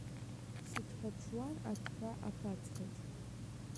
Сыҽҳәаԥшуан аҽҳәа аԥацхаҿ.